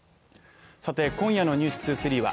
今夜の「ｎｅｗｓ２３」は